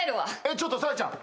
ちょっと紗絵ちゃん。